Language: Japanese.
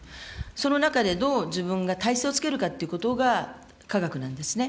その中でどう自分が耐性をつけるかということが科学なんですね。